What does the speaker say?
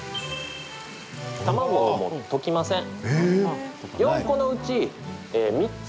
卵をもう溶きません。